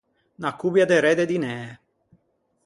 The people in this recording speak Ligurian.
Unna cobbia de re de dinæ.